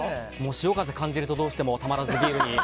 潮風感じるとどうしてもたまらずビールに。